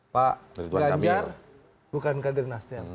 pak ganjar bukan kader nasdem